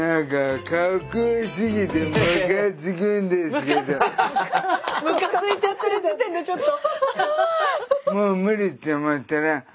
そしてムカついちゃってる時点でちょっと。